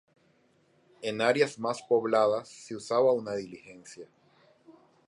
En áreas más pobladas se usaba una diligencia.